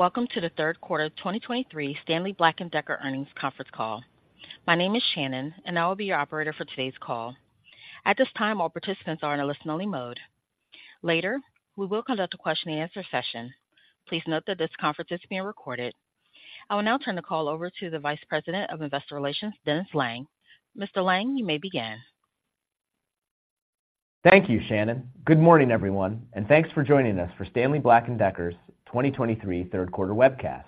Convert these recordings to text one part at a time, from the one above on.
Welcome to the Q3 of 2023 Stanley Black & Decker earnings conference call. My name is Shannon, and I will be your operator for today's call. At this time, all participants are in a listen-only mode. Later, we will conduct a question-and-answer session. Please note that this conference is being recorded. I will now turn the call over to the Vice President of Investor Relations, Dennis Lange. Mr. Lange, you may begin. Thank you, Shannon. Good morning, everyone, and thanks for joining us for Stanley Black & Decker's 2023 Q3 webcast.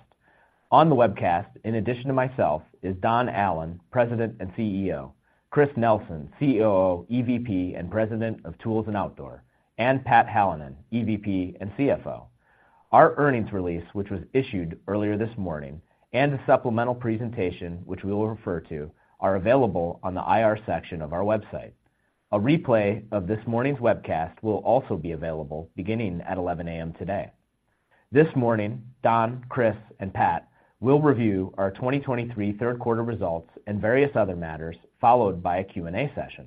On the webcast, in addition to myself, is Don Allan, President and CEO, Chris Nelson, COO, EVP, and President of Tools & Outdoor, and Pat Hallinan, EVP and CFO. Our earnings release, which was issued earlier this morning, and a supplemental presentation, which we will refer to, are available on the IR section of our website. A replay of this morning's webcast will also be available beginning at 11 A.M. today. This morning, Don, Chris, and Pat will review our 2023 Q3 results and various other matters, followed by a Q&A session.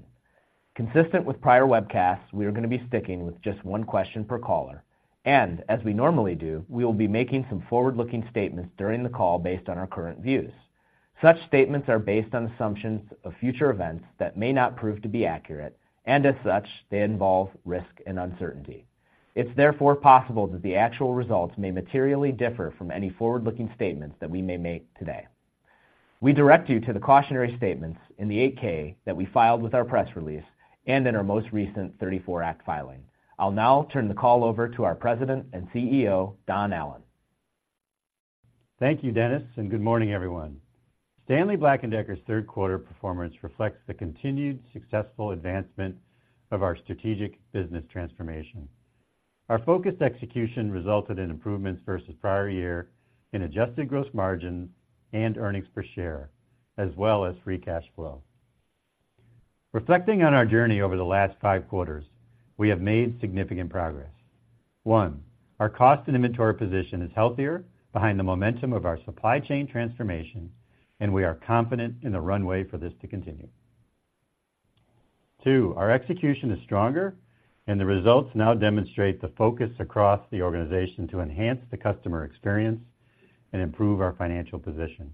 Consistent with prior webcasts, we are going to be sticking with just one question per caller, and as we normally do, we will be making some forward-looking statements during the call based on our current views. Such statements are based on assumptions of future events that may not prove to be accurate, and as such, they involve risk and uncertainty. It's therefore possible that the actual results may materially differ from any forward-looking statements that we may make today. We direct you to the cautionary statements in the 8-K that we filed with our press release and in our most recent 1934 Act filing. I'll now turn the call over to our President and CEO, Don Allan. Thank you, Dennis, and good morning, everyone. Stanley Black & Decker's Q3 performance reflects the continued successful advancement of our strategic business transformation. Our focused execution resulted in improvements versus prior year in adjusted gross margin and earnings per share, as well as free cash flow. Reflecting on our journey over the last five quarters, we have made significant progress. One, our cost and inventory position is healthier behind the momentum of our supply chain transformation, and we are confident in the runway for this to continue. Two, our execution is stronger, and the results now demonstrate the focus across the organization to enhance the customer experience and improve our financial position.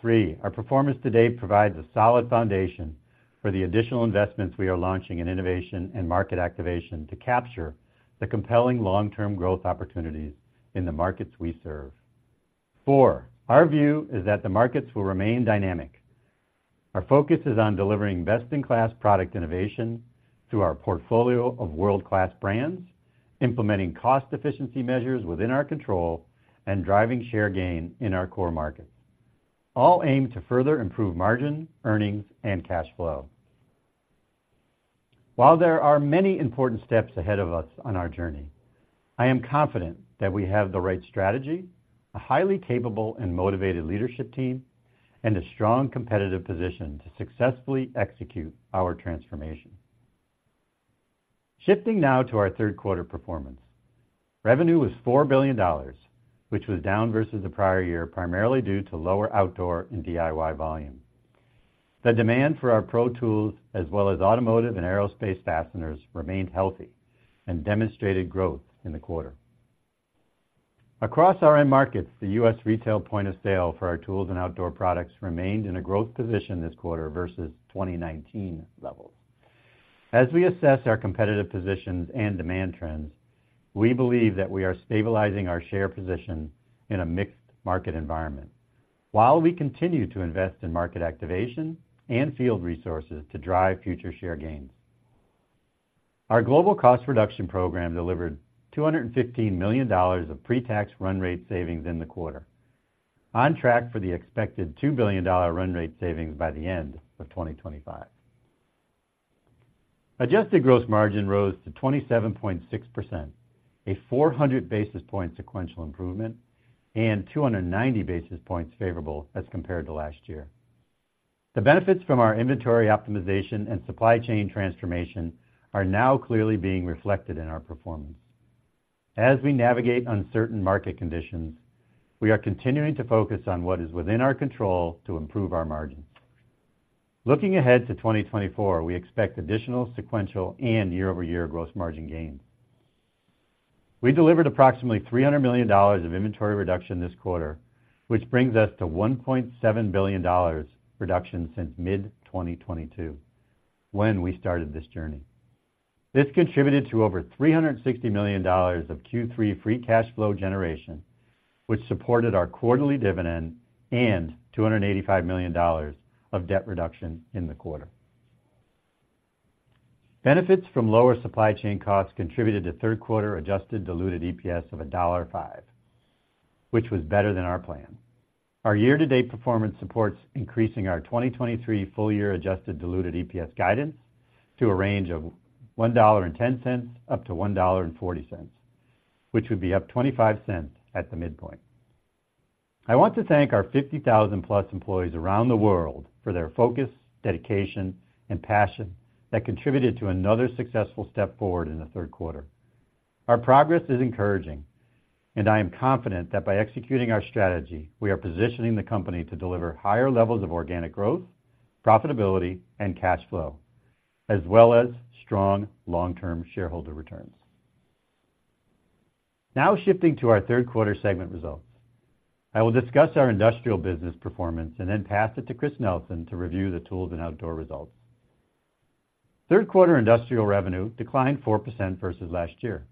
Three, our performance today provides a solid foundation for the additional investments we are launching in innovation and market activation to capture the compelling long-term growth opportunities in the markets we serve. Four, our view is that the markets will remain dynamic. Our focus is on delivering best-in-class product innovation through our portfolio of world-class brands, implementing cost efficiency measures within our control, and driving share gain in our core markets, all aimed to further improve margin, earnings, and cash flow. While there are many important steps ahead of us on our journey, I am confident that we have the right strategy, a highly capable and motivated leadership team, and a strong competitive position to successfully execute our transformation. Shifting now to our Q3 performance. Revenue was $4 billion, which was down versus the prior year, primarily due to lower Outdoor and DIY volume. The demand for our pro tools, as well as automotive and aerospace fasteners, remained healthy and demonstrated growth in the quarter. Across our end markets, the U.S. retail point of sale for our Tools & Outdoor products remained in a growth position this quarter versus 2019 levels. As we assess our competitive positions and demand trends, we believe that we are stabilizing our share position in a mixed market environment while we continue to invest in market activation and field resources to drive future share gains. Our global cost reduction program delivered $215 million of pre-tax run rate savings in the quarter, on track for the expected $2 billion run rate savings by the end of 2025. Adjusted Gross Margin rose to 27.6%, a 400 basis point sequential improvement, and 290 basis points favorable as compared to last year. The benefits from our inventory optimization and supply chain transformation are now clearly being reflected in our performance. As we navigate uncertain market conditions, we are continuing to focus on what is within our control to improve our margins. Looking ahead to 2024, we expect additional sequential and year-over-year gross margin gains. We delivered approximately $300 million of inventory reduction this quarter, which brings us to $1.7 billion reduction since mid-2022, when we started this journey. This contributed to over $360 million of Q3 Free Cash Flow generation, which supported our quarterly dividend and $285 million of debt reduction in the quarter. Benefits from lower supply chain costs contributed to Q3 Adjusted Diluted EPS of $1.05, which was better than our plan. Our year-to-date performance supports increasing our 2023 full-year Adjusted Diluted EPS guidance to a range of $1.10-$1.40, which would be up $0.25 at the midpoint. I want to thank our 50,000+ employees around the world for their focus, dedication, and passion that contributed to another successful step forward in the Q3. Our progress is encouraging, and I am confident that by executing our strategy, we are positioning the company to deliver higher levels of organic growth, profitability, and cash flow... as well as strong long-term shareholder returns. Now shifting to our Q3 segment results. I will discuss our Industrial business performance and then pass it to Chris Nelson to review the Tools & Outdoor results. Q3 Industrial revenue declined 4% versus last year,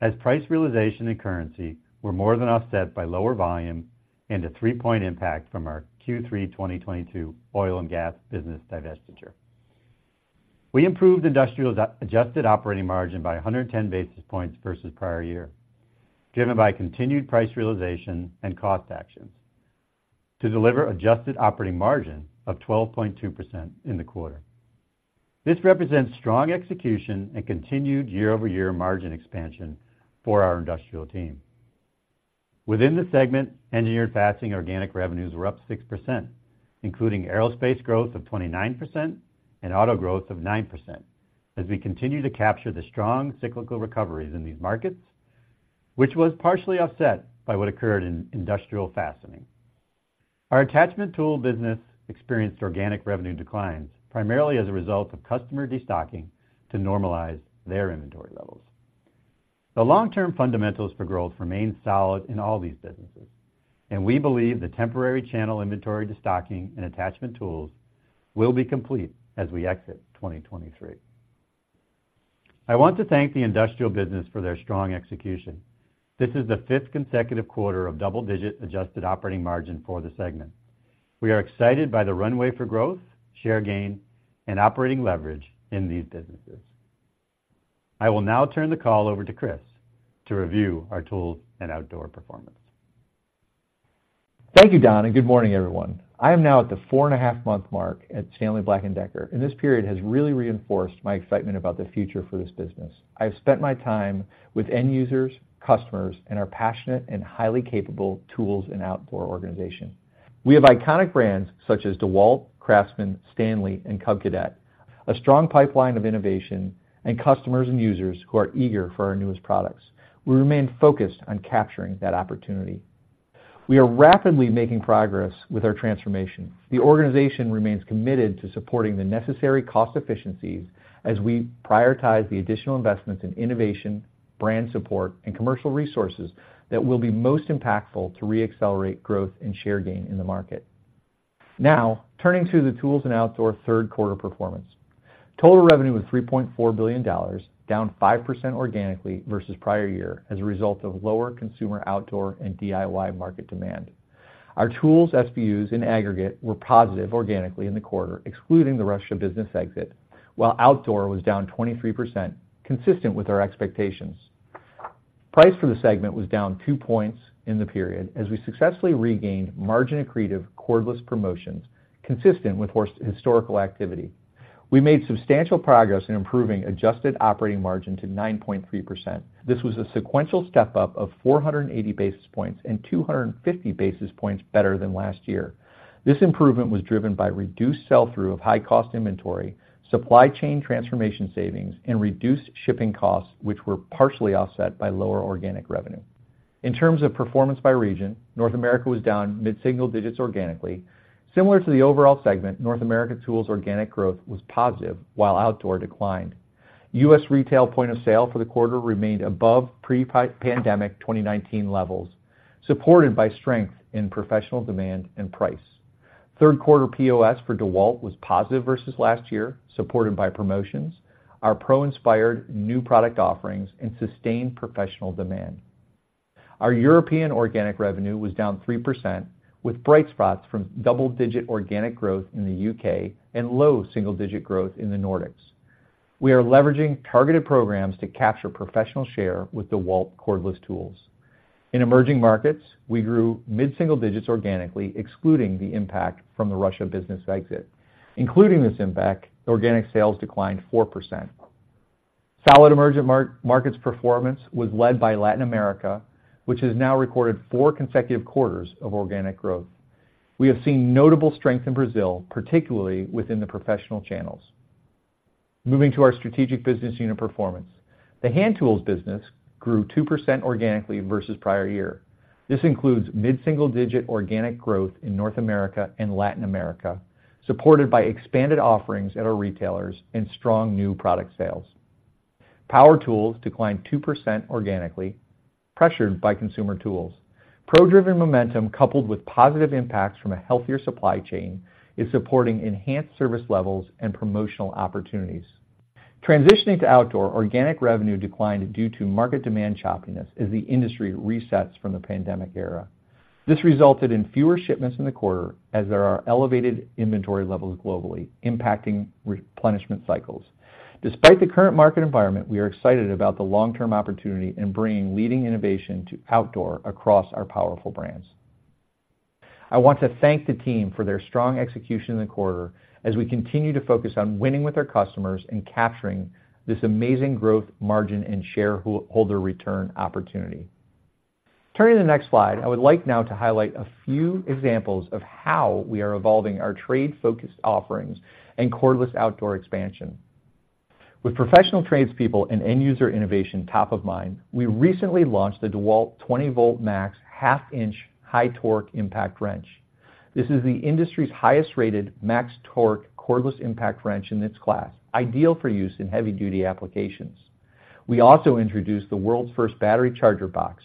as price realization and currency were more than offset by lower volume and a 3-point impact from our Q3 2022 oil and gas business divestiture. We improved Industrial adjusted operating margin by 110 basis points versus prior year, driven by continued price realization and cost actions, to deliver Adjusted Operating Margin of 12.2% in the quarter. This represents strong execution and continued year-over-year margin expansion for our Industrial team. Within the segment, Engineered Fastening organic revenues were up 6%, including aerospace growth of 29% and auto growth of 9%, as we continue to capture the strong cyclical recoveries in these markets, which was partially offset by what occurred in Industrial fastening. Our attachment tool business experienced organic revenue declines, primarily as a result of customer destocking to normalize their inventory levels. The long-term fundamentals for growth remain solid in all these businesses, and we believe the temporary channel inventory destocking in attachment tools will be complete as we exit 2023. I want to thank the Industrial business for their strong execution. This is the fifth consecutive quarter of double-digit Adjusted Operating Margin for the segment. We are excited by the runway for growth, share gain, and operating leverage in these businesses. I will now turn the call over to Chris to review our Tools & Outdoor performance. Thank you, Don, and good morning, everyone. I am now at the four and a half month mark at Stanley Black & Decker, and this period has really reinforced my excitement about the future for this business. I've spent my time with end users, customers, and our passionate and highly capable Tools & Outdoor organization. We have iconic brands such as DEWALT, CRAFTSMAN, STANLEY, and Cub Cadet, a strong pipeline of innovation, and customers and users who are eager for our newest products. We remain focused on capturing that opportunity. We are rapidly making progress with our transformation. The organization remains committed to supporting the necessary cost efficiencies as we prioritize the additional investments in innovation, brand support, and commercial resources that will be most impactful to reaccelerate growth and share gain in the market. Now, turning to the Tools & Outdoor Q3 performance. Total revenue was $3.4 billion, down 5% organically versus prior year as a result of lower consumer Outdoor and DIY market demand. Our tools, SBUs, in aggregate, were positive organically in the quarter, excluding the Russia business exit, while Outdoor was down 23%, consistent with our expectations. Price for the segment was down 2 points in the period as we successfully regained margin-accretive cordless promotions consistent with historical activity. We made substantial progress in improving Adjusted Operating Margin to 9.3%. This was a sequential step up of 480 basis points and 250 basis points better than last year. This improvement was driven by reduced sell-through of high-cost inventory, Supply Chain Transformation savings, and reduced shipping costs, which were partially offset by lower organic revenue. In terms of performance by region, North America was down mid-single digits organically. Similar to the overall segment, North America tools organic growth was positive, while Outdoor declined. U.S. retail point of sale for the quarter remained above pre-pandemic 2019 levels, supported by strength in professional demand and price. Q3 POS for DEWALT was positive versus last year, supported by promotions, our pro-inspired new product offerings, and sustained professional demand. Our European organic revenue was down 3%, with bright spots from double-digit organic growth in the U.K. and low single-digit growth in the Nordics. We are leveraging targeted programs to capture professional share with DEWALT cordless tools. In emerging markets, we grew mid-single digits organically, excluding the impact from the Russia business exit. Including this impact, organic sales declined 4%. Solid emerging markets performance was led by Latin America, which has now recorded four consecutive quarters of organic growth. We have seen notable strength in Brazil, particularly within the professional channels. Moving to our strategic business unit performance. The Hand Tools business grew 2% organically versus prior year. This includes mid-single-digit organic growth in North America and Latin America, supported by expanded offerings at our retailers and strong new product sales. Power Tools declined 2% organically, pressured by consumer tools. Pro-driven momentum, coupled with positive impacts from a healthier supply chain, is supporting enhanced service levels and promotional opportunities. Transitioning to Outdoor, organic revenue declined due to market demand choppiness as the industry resets from the pandemic era. This resulted in fewer shipments in the quarter, as there are elevated inventory levels globally, impacting replenishment cycles. Despite the current market environment, we are excited about the long-term opportunity in bringing leading innovation to Outdoor across our powerful brands. I want to thank the team for their strong execution in the quarter as we continue to focus on winning with our customers and capturing this amazing growth, margin, and shareholder return opportunity. Turning to the next slide, I would like now to highlight a few examples of how we are evolving our trade-focused offerings and cordless outdoor expansion. With professional tradespeople and end user innovation top of mind, we recently launched the DEWALT 20V MAX half-inch high torque impact wrench. This is the industry's highest-rated max torque cordless impact wrench in its class, ideal for use in heavy-duty applications. We also introduced the world's first battery charger box,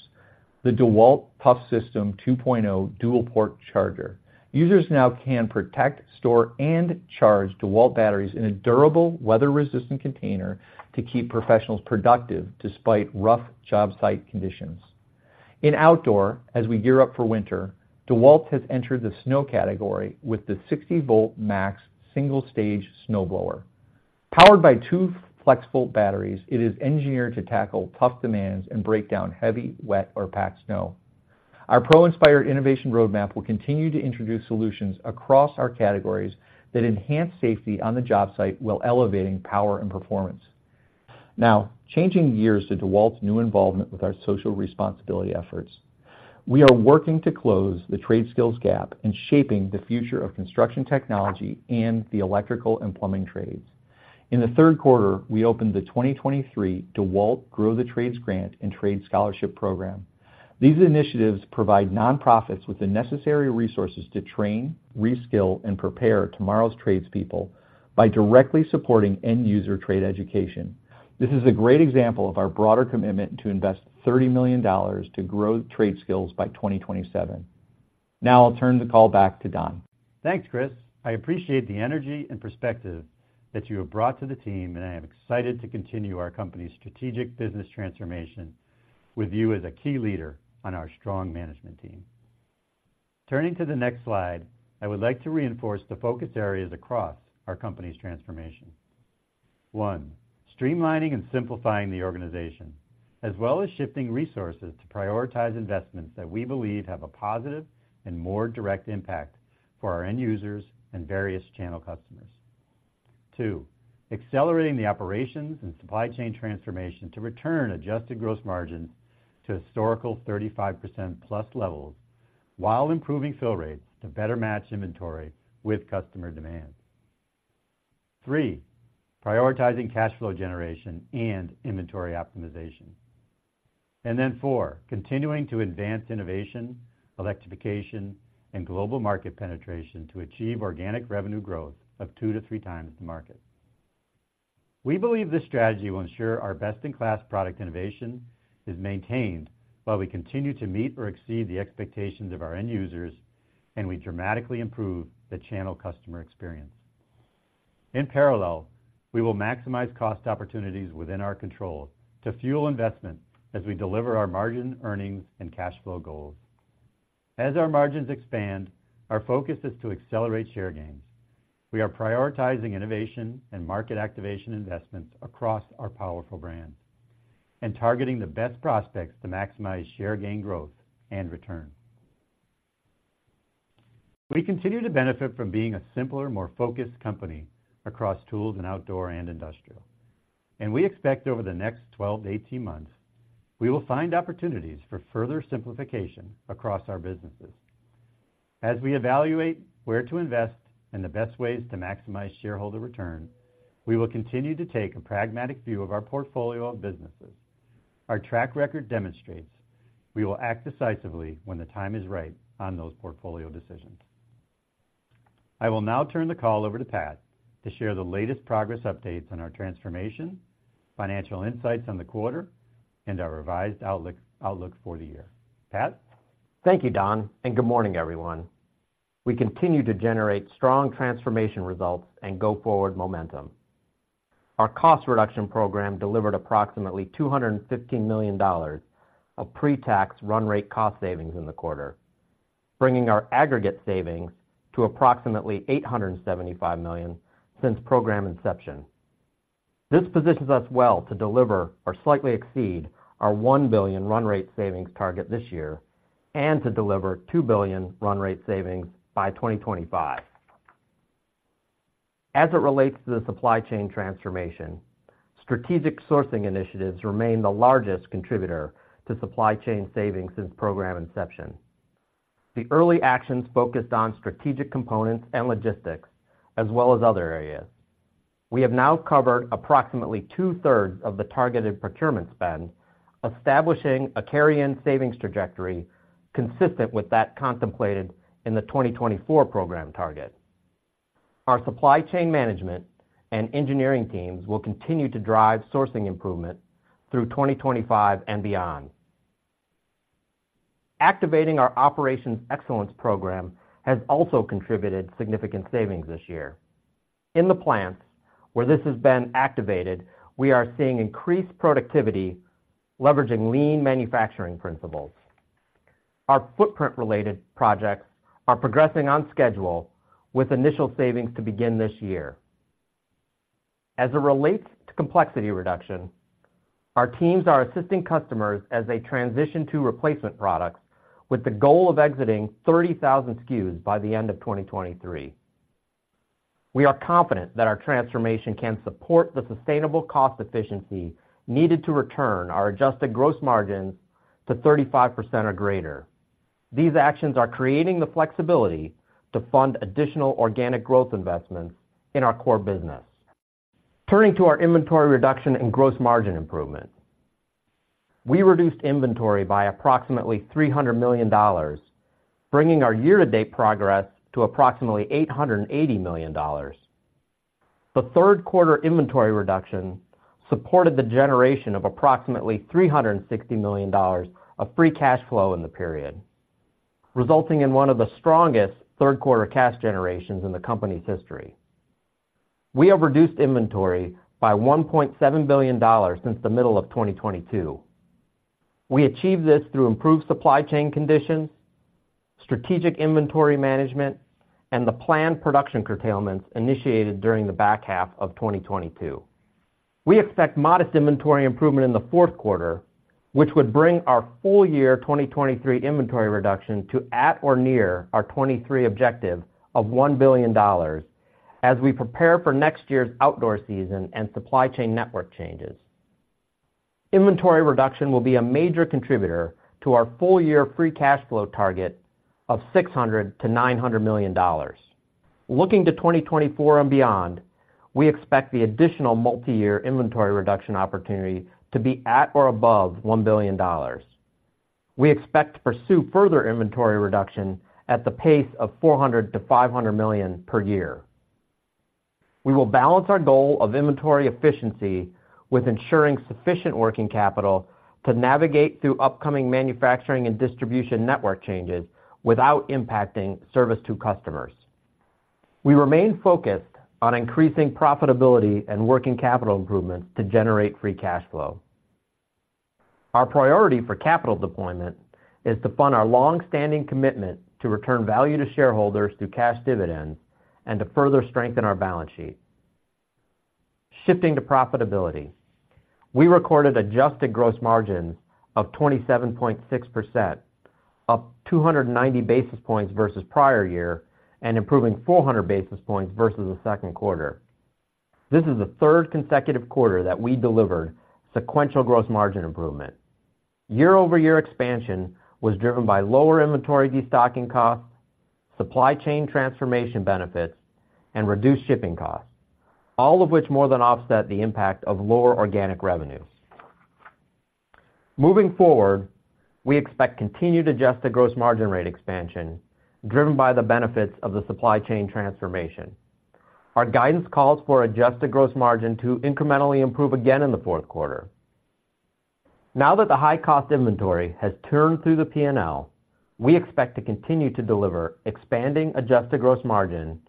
the DEWALT ToughSystem 2.0 dual port charger. Users now can protect, store, and charge DEWALT batteries in a durable, weather-resistant container to keep professionals productive despite rough job site conditions. In Outdoor, as we gear up for winter, DEWALT has entered the snow category with the 60-volt MAX single-stage snow blower. Powered by two FLEXVOLT batteries, it is engineered to tackle tough demands and break down heavy, wet, or packed snow. Our pro-inspired innovation roadmap will continue to introduce solutions across our categories that enhance safety on the job site while elevating power and performance. Now, changing gears to DEWALT's new involvement with our social responsibility efforts. We are working to close the trade skills gap in shaping the future of construction technology and the electrical and plumbing trades. In the Q3, we opened the 2023 DEWALT Grow the Trades Grant and Trade Scholarship Program. These initiatives provide nonprofits with the necessary resources to train, reskill, and prepare tomorrow's tradespeople by directly supporting end user trade education. This is a great example of our broader commitment to invest $30 million to grow trade skills by 2027. Now I'll turn the call back to Don. Thanks, Chris. I appreciate the energy and perspective that you have brought to the team, and I am excited to continue our company's strategic business transformation with you as a key leader on our strong management team. Turning to the next slide, I would like to reinforce the focus areas across our company's transformation. One, streamlining and simplifying the organization, as well as shifting resources to prioritize investments that we believe have a positive and more direct impact for our end users and various channel customers. Two, accelerating the operations and supply chain transformation adjusted gross margins to historical +35% levels, while improving fill rates to better match inventory with customer demand. Three, prioritizing cash flow generation and inventory optimization. Four, continuing to advance innovation, electrification, and global market penetration to achieve organic revenue growth of 2-3 times the market. We believe this strategy will ensure our best-in-class product innovation is maintained while we continue to meet or exceed the expectations of our end users, and we dramatically improve the channel customer experience. In parallel, we will maximize cost opportunities within our control to fuel investment as we deliver our margin, earnings, and cash flow goals. As our margins expand, our focus is to accelerate share gains. We are prioritizing innovation and market activation investments across our powerful brands, and targeting the best prospects to maximize share gain growth and return. We continue to benefit from being a simpler, more focused company across Tools & Outdoor and Industrial, and we expect over the next 12-18 months, we will find opportunities for further simplification across our businesses. As we evaluate where to invest and the best ways to maximize shareholder return, we will continue to take a pragmatic view of our portfolio of businesses. Our track record demonstrates we will act decisively when the time is right on those portfolio decisions. I will now turn the call over to Pat to share the latest progress updates on our transformation, financial insights on the quarter, and our revised outlook for the year. Pat? Thank you, Don, and good morning, everyone. We continue to generate strong transformation results and go-forward momentum. Our Cost Reduction Program delivered approximately $215 million of pre-tax run rate cost savings in the quarter, bringing our aggregate savings to approximately $875 million since program inception. This positions us well to deliver or slightly exceed our $1 billion run rate savings target this year, and to deliver $2 billion run rate savings by 2025. As it relates to the supply chain transformation, strategic sourcing initiatives remain the largest contributor to supply chain savings since program inception. The early actions focused on strategic components and logistics, as well as other areas. We have now covered approximately two-thirds of the targeted procurement spend, establishing a carry-in savings trajectory consistent with that contemplated in the 2024 program target. Our supply chain management and engineering teams will continue to drive sourcing improvement through 2025 and beyond. Activating our Operations Excellence program has also contributed significant savings this year. In the plants where this has been activated, we are seeing increased productivity, leveraging lean manufacturing principles. Our footprint-related projects are progressing on schedule, with initial savings to begin this year. As it relates to complexity reduction, our teams are assisting customers as they transition to replacement products with the goal of exiting 30,000 SKUs by the end of 2023. We are confident that our transformation can support the sustainable cost efficiency needed to adjusted gross margins to 35% or greater. These actions are creating the flexibility to fund additional organic growth investments in our core business. Turning to our inventory reduction and gross margin improvement. We reduced inventory by approximately $300 million, bringing our year-to-date progress to approximately $880 million. The Q3 inventory reduction supported the generation of approximately $360 million of free cash flow in the period, resulting in one of the strongest Q3 cash generations in the company's history. We have reduced inventory by $1.7 billion since the middle of 2022. We achieved this through improved supply chain conditions, strategic inventory management, and the planned production curtailments initiated during the back half of 2022. We expect modest inventory improvement in the Q4, which would bring our full-year 2023 inventory reduction to at or near our 2023 objective of $1 billion, as we prepare for next year's outdoor season and supply chain network changes. Inventory reduction will be a major contributor to our full-year Free Cash Flow target of $600 million-$900 million. Looking to 2024 and beyond, we expect the additional multiyear inventory reduction opportunity to be at or above $1 billion. We expect to pursue further inventory reduction at the pace of $400 million-$500 million per year. We will balance our goal of inventory efficiency with ensuring sufficient working capital to navigate through upcoming manufacturing and distribution network changes without impacting service to customers. We remain focused on increasing profitability and working capital improvements to generate free cash flow. Our priority for capital deployment is to fund our long-standing commitment to return value to shareholders through cash dividends and to further strengthen our balance sheet. Shifting to profitability, Adjusted Gross Margins of 27.6%, up 290 basis points versus prior year and improving 400 basis points versus the Q2. This is the third consecutive quarter that we delivered sequential gross margin improvement. Year-over-year expansion was driven by lower inventory destocking costs, supply chain transformation benefits, and reduced shipping costs, all of which more than offset the impact of lower organic revenues. Moving forward, we expect continued adjusted gross margin rate expansion, driven by the benefits of the supply chain transformation. Our guidance calls for adjusted gross margin to incrementally improve again in the Q4. Now that the high-cost inventory has turned through the P&L, we expect to continue to deliver expanding adjusted gross margin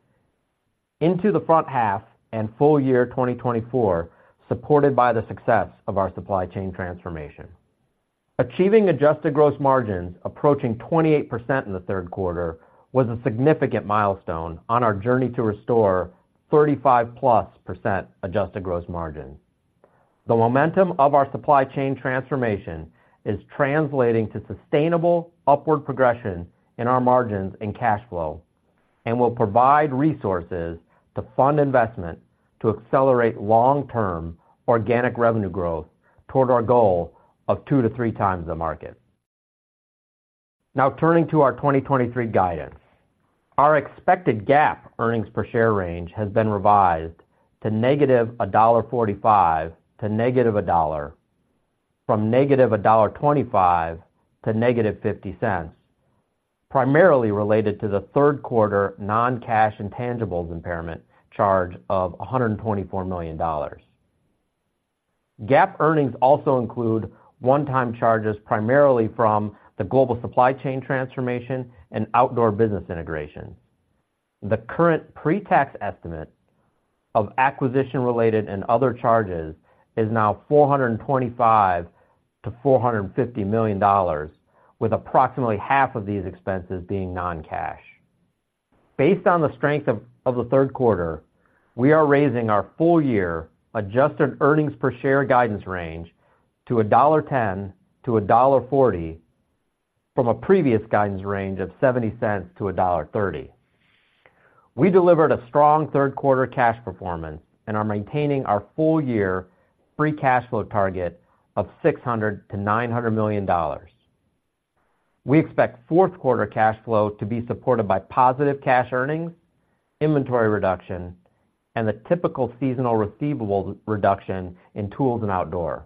into the front half and full year 2024, supported by the success of our supply chain transformation. Adjusted gross margins approaching 28% in the Q3 was a significant milestone on our journey to restore +35% adjusted gross margin. The momentum of our supply chain transformation is translating to sustainable upward progression in our margins and cash flow and will provide resources to fund investment to accelerate long-term organic revenue growth toward our goal of 2-3 times the market. Now, turning to our 2023 guidance. Our expected GAAP earnings per share range has been revised to -$1.45 to -$1 from -$1.25 to -$0.50, primarily related to the Q3 non-cash intangibles impairment charge of $124 million. GAAP earnings also include one-time charges, primarily from the global supply chain transformation and Outdoor business integration. The current pre-tax estimate of acquisition-related and other charges is now $425 million-$450 million, with approximately half of these expenses being non-cash. Based on the strength of, of the Q3, we are raising our full-year adjusted earnings per share guidance range to $1.10-$1.40, from a previous guidance range of $0.70-$1.30. We delivered a strong Q3 cash performance and are maintaining our full-year Free Cash Flow target of $600 million-$900 million. We expect Q4 cash flow to be supported by positive cash earnings, inventory reduction, and the typical seasonal receivable reduction in Tools & Outdoor.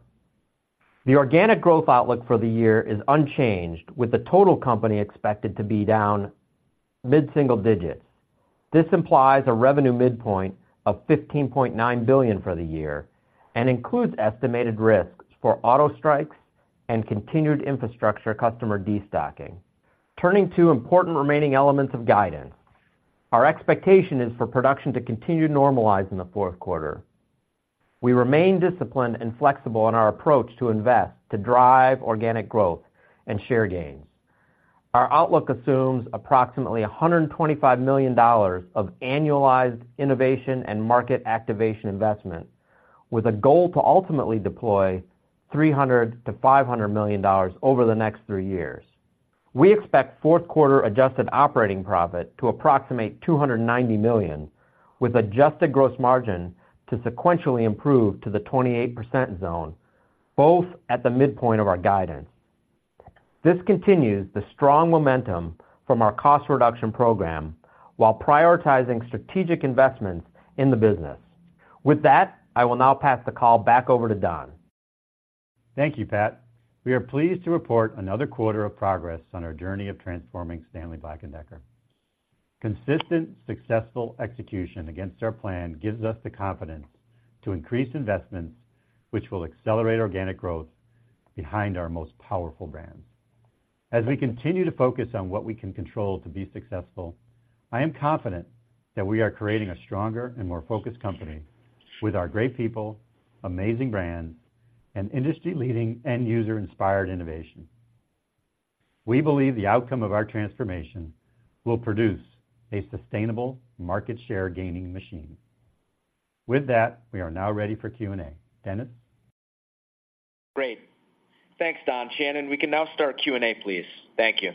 The organic growth outlook for the year is unchanged, with the total company expected to be down mid-single digits. This implies a revenue midpoint of $15.9 billion for the year and includes estimated risks for auto strikes and continued infrastructure customer destocking. Turning to important remaining elements of guidance. Our expectation is for production to continue to normalize in the Q4. We remain disciplined and flexible in our approach to invest to drive organic growth and share gains. Our outlook assumes approximately $125 million of annualized innovation and market activation investment, with a goal to ultimately deploy $300 million-$500 million over the next three years. We expect Q4 adjusted operating profit to approximate $290 million, with adjusted gross margin to sequentially improve to the 28% zone both at the midpoint of our guidance. This continues the strong momentum from our cost reduction program, while prioritizing strategic investments in the business. With that, I will now pass the call back over to Don. Thank you, Pat. We are pleased to report another quarter of progress on our journey of transforming Stanley Black & Decker. Consistent, successful execution against our plan gives us the confidence to increase investments, which will accelerate organic growth behind our most powerful brands. As we continue to focus on what we can control to be successful, I am confident that we are creating a stronger and more focused company with our great people, amazing brands, and industry-leading end user-inspired innovation. We believe the outcome of our transformation will produce a sustainable market share gaining machine. With that, we are now ready for Q&A. Dennis? Great. Thanks, Don. Shannon, we can now start Q&A, please. Thank you.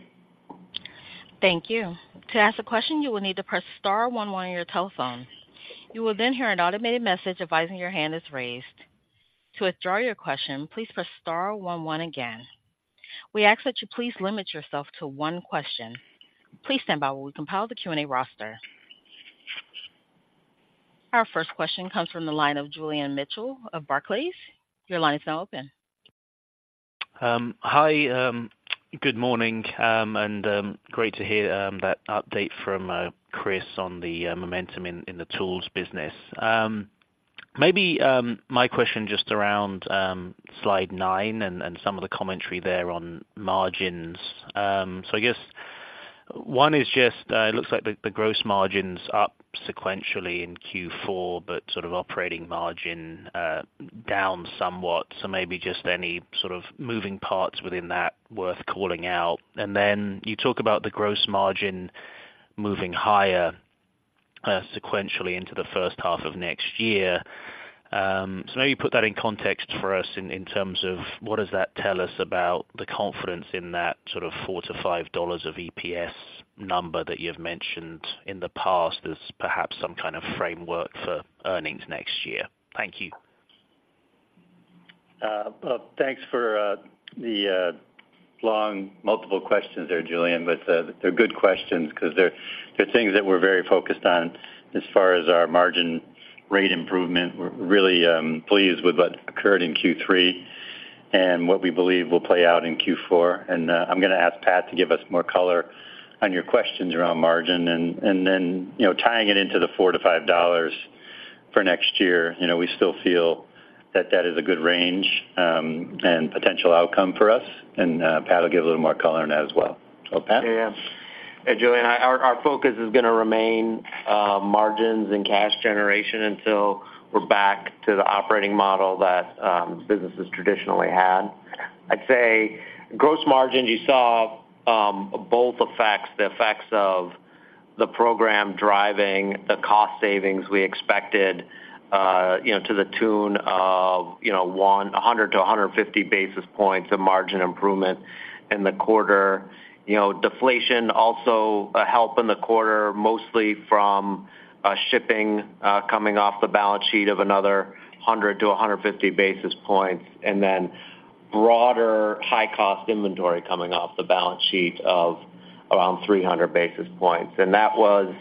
Thank you. To ask a question, you will need to press star one one on your telephone. You will then hear an automated message advising your hand is raised. To withdraw your question, please press star one one again. We ask that you please limit yourself to one question. Please stand by while we compile the Q&A roster. Our first question comes from the line of Julian Mitchell of Barclays. Your line is now open. Hi, good morning, and great to hear that update from Chris on the momentum in the Tools business. Maybe my question just around slide 9 and some of the commentary there on margins. So I guess one is just it looks like the gross margin's up sequentially in Q4, but sort of operating margin down somewhat. So maybe just any sort of moving parts within that worth calling out. And then you talk about the gross margin moving higher sequentially into the first half of next year. Maybe put that in context for us in terms of what does that tell us about the confidence in that sort of $4-$5 of EPS number that you've mentioned in the past as perhaps some kind of framework for earnings next year? Thank you. Well, thanks for the long multiple questions there, Julian, but they're good questions because they're things that we're very focused on as far as our margin rate improvement. We're really pleased with what occurred in Q3 and what we believe will play out in Q4. I'm gonna ask Pat to give us more color on your questions around margin and then, you know, tying it into the $4-$5 for next year. You know, we still feel that that is a good range and potential outcome for us, and Pat will give a little more color on that as well. So, Pat? Yeah. Hey, Julian, our focus is gonna remain margins and cash generation until we're back to the operating model that businesses traditionally had. I'd say gross margins, you saw both effects, the effects of the program driving the cost savings we expected, you know, to the tune of, you know, 100-150 basis points of margin improvement in the quarter. You know, deflation also a help in the quarter, mostly from shipping coming off the balance sheet of another 100-150 basis points, and then broader high-cost inventory coming off the balance sheet of around 300 basis points. That was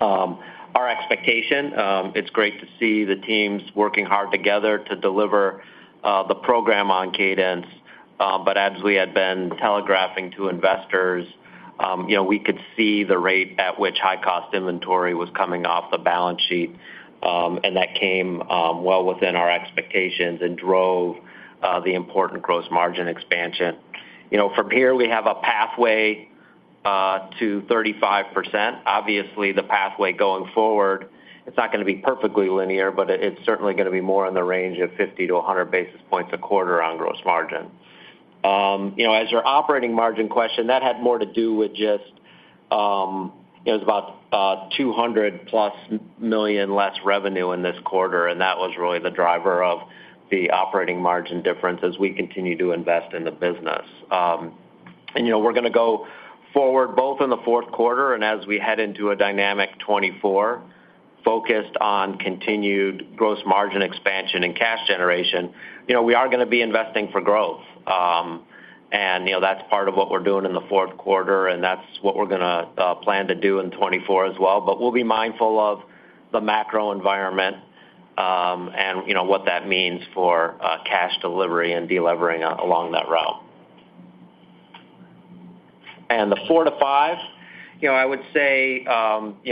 our expectation. It's great to see the teams working hard together to deliver the program on cadence. But as we had been telegraphing to investors, you know, we could see the rate at which high-cost inventory was coming off the balance sheet, and that came well within our expectations and drove the important gross margin expansion. You know, from here, we have a pathway to 35%. Obviously, the pathway going forward, it's not gonna be perfectly linear, but it's certainly gonna be more in the range of 50-100 basis points a quarter on gross margin. You know, as your operating margin question, that had more to do with just, it was about $200+ million less revenue in this quarter, and that was really the driver of the operating margin difference as we continue to invest in the business. We're gonna go forward both in the Q4 and as we head into a dynamic 2024, focused on continued gross margin expansion and cash generation. You know, we are gonna be investing for growth, and, you know, that's part of what we're doing in the Q4, and that's what we're gonna plan to do in 2024 as well. We'll be mindful of the macro environment, and, you know, what that means for cash delivery and delevering along that route. And the 4%-5%, you know, I would say, you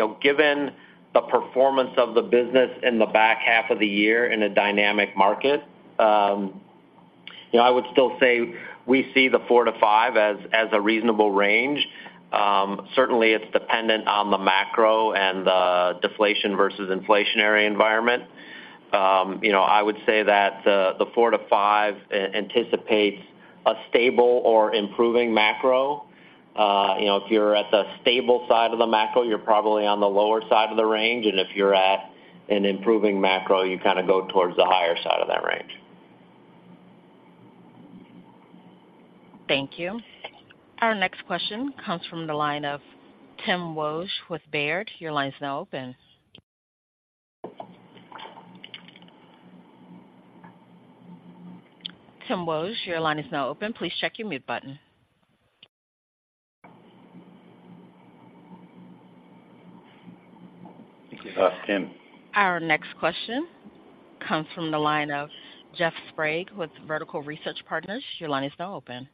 know, given the performance of the business in the back half of the year in a dynamic market, you know, I would still say we see the 4%-5% as a reasonable range. Certainly, it's dependent on the macro and the deflation versus inflationary environment. You know, I would say that the 4-5 anticipates a stable or improving macro. You know, if you're at the stable side of the macro, you're probably on the lower side of the range, and if you're at an improving macro, you kind of go towards the higher side of that range. .Thank you. Our next question comes from the line of Timothy Wojs with Baird. Your line is now open. Timothy Wojs, your line is now open. Please check your mute button. Tim? Our next question comes from the line of Jeff Sprague, with Vertical Research Partners. Your line is now open.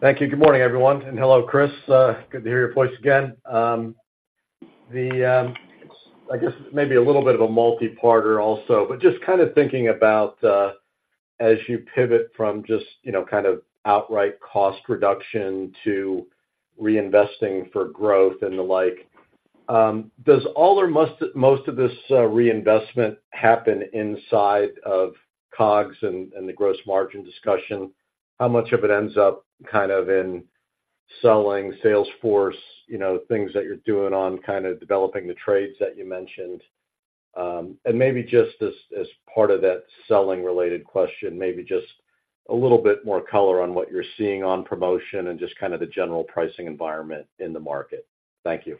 Thank you. Good morning, everyone, and hello, Chris. Good to hear your voice again. I guess maybe a little bit of a multi-partner also, but just kind of thinking about as you pivot from just, you know, kind of outright cost reduction to reinvesting for growth and the like, does all or most of this reinvestment happen inside of COGS and the gross margin discussion? How much of it ends up kind of in selling sales force, you know, things that you're doing on kind of developing the trades that you mentioned? And maybe just as part of that selling related question, maybe just a little bit more color on what you're seeing on promotion and just kind of the general pricing environment in the market? Thank you.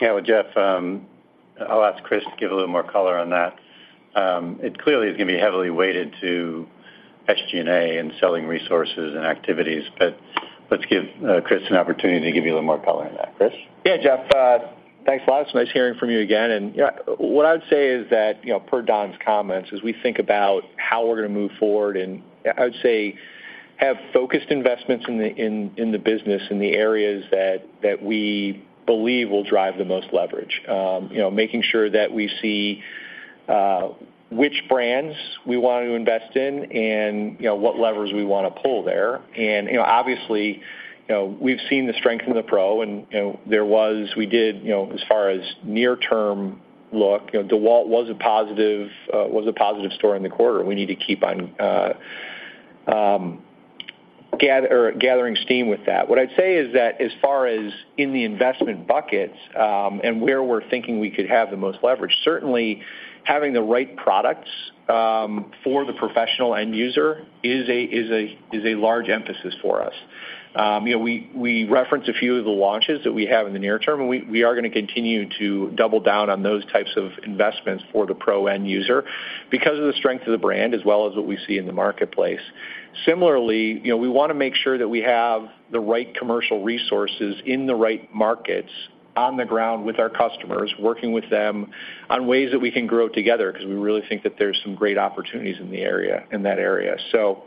Yeah, well, Jeff, I'll ask Chris to give a little more color on that. It clearly is gonna be heavily weighted to SG&A and selling resources and activities, but let's give Chris an opportunity to give you a little more color on that. Chris? Yeah, Jeff, thanks a lot. It's nice hearing from you again. Yeah, what I would say is that, you know, per Don's comments, as we think about how we're gonna move forward, and I would say, have focused investments in the business, in the areas that we believe will drive the most leverage. You know, making sure that we see which brands we want to invest in and, you know, what levers we wanna pull there. You know, obviously, you know, we've seen the strength in the Pro, and, you know, there was—we did, you know, as far as near-term look, you know, DEWALT was a positive story in the quarter, we need to keep on gathering steam with that. What I'd say is that as far as in the investment buckets, and where we're thinking we could have the most leverage, certainly having the right products for the professional end user is a large emphasis for us. You know, we referenced a few of the launches that we have in the near term, and we are gonna continue to double down on those types of investments for the pro end user because of the strength of the brand, as well as what we see in the marketplace. Similarly, you know, we wanna make sure that we have the right commercial resources in the right markets, on the ground with our customers, working with them on ways that we can grow together, because we really think that there's some great opportunities in the area, in that area. So,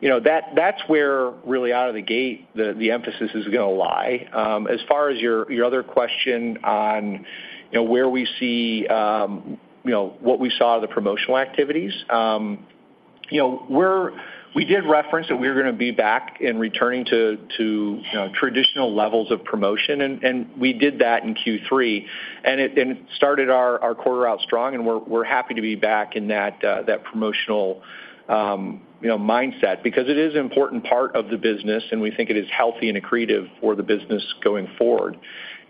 you know, that's where really out of the gate, the emphasis is gonna lie. As far as your other question on, you know, where we see, you know, what we saw the promotional activities. You know, we're, we did reference that we were gonna be back in returning to, you know, traditional levels of promotion, and we did that in Q3. It started our quarter out strong, and we're happy to be back in that promotional, you know, mindset. Because it is an important part of the business, and we think it is healthy and accretive for the business going forward.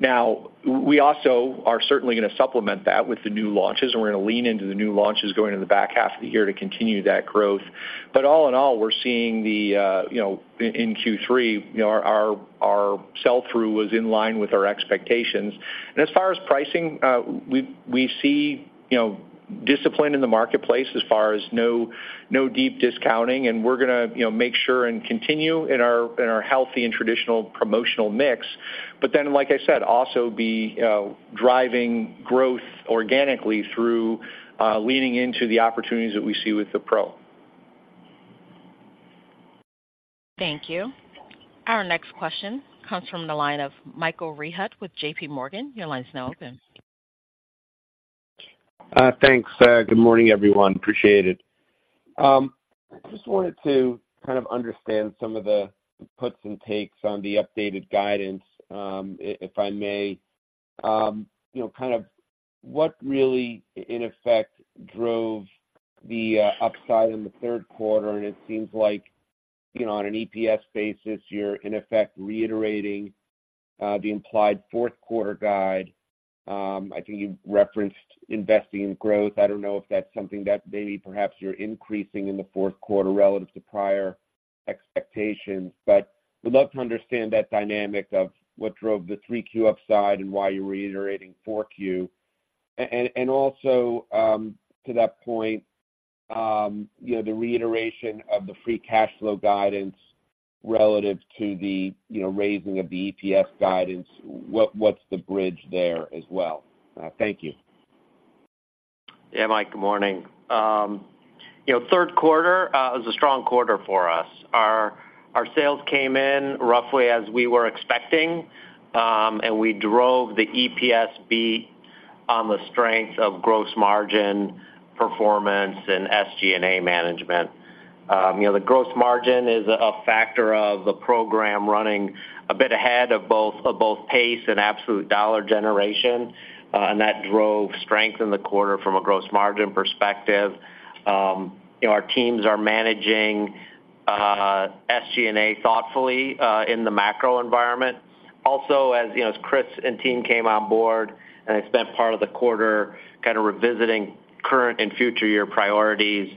Now, we also are certainly gonna supplement that with the new launches, and we're gonna lean into the new launches going in the back half of the year to continue that growth. But all in all, we're seeing the, you know, in Q3, you know, our sell-through was in line with our expectations. As far as pricing, we see, you know, discipline in the marketplace as far as no, no deep discounting, and we're gonna, you know, make sure and continue in our healthy and traditional promotional mix. But then, like I said, also be driving growth organically through leaning into the opportunities that we see with the Pro. Thank you. Our next question comes from the line of Michael Rehaut with JPMorgan. Your line is now open. Thanks. Good morning, everyone. Appreciate it. I just wanted to kind of understand some of the puts and takes on the updated guidance, if I may. You know, kind of what really, in effect, drove the upside in the Q3? And it seems like, you know, on an EPS basis, you're in effect, reiterating the implied Q4 guide. I think you've referenced investing in growth. I don't know if that's something that maybe perhaps you're increasing in the Q4 relative to prior expectations, but would love to understand that dynamic of what drove the 3Q upside and why you're reiterating 4Q. And also, to that point, you know, the reiteration of the free cash flow guidance relative to the raising of the EPS guidance. What's the bridge there as well? Thank you. Yeah, Mike, good morning. You know, Q3 was a strong quarter for us. Our, our sales came in roughly as we were expecting, and we drove the EPS beat on the strength of gross margin performance and SG&A management. You know, the gross margin is a factor of the program running a bit ahead of both, of both pace and absolute dollar generation, and that drove strength in the quarter from a gross margin perspective. You know, our teams are managing SG&A thoughtfully in the macro environment. Also, as you know, as Chris and team came on board, and I spent part of the quarter kind of revisiting current and future year priorities,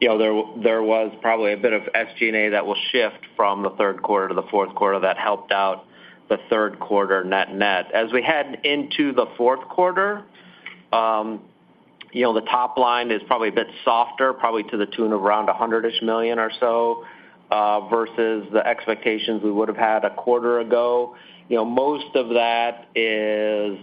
you know, there was probably a bit of SG&A that will shift from the Q3 to the Q4 that helped out the Q3 net net. As we head into the Q4, you know, the top line is probably a bit softer, probably to the tune of around $100-ish million or so, versus the expectations we would have had a quarter ago. You know, most of that is